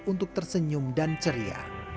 untuk tersenyum dan ceria